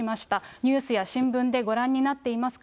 ニュースや新聞でご覧になっていますか。